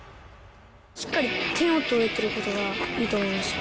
しっかり点を取れてることがいいと思いました。